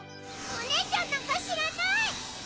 おねえちゃんなんかしらない！